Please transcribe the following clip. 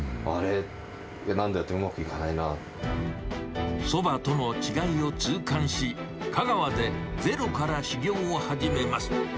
って、何度やってもうまくそばとの違いを痛感し、香川でゼロから修業を始めます。